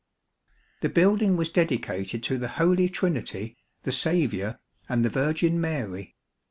The building was dedicated to the Holy Trinity, the Saviour, and the Virgin Mary.